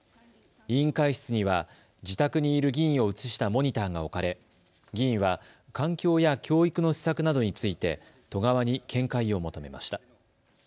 委員会室には自宅にいる議員を映したモニターが置かれ議員は環境や教育の施策などについて都側に見解を求めました。